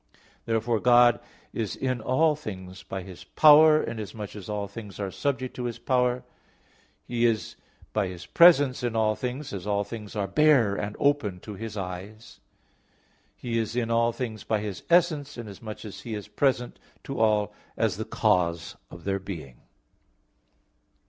Therefore, God is in all things by His power, inasmuch as all things are subject to His power; He is by His presence in all things, as all things are bare and open to His eyes; He is in all things by His essence, inasmuch as He is present to all as the cause of their being.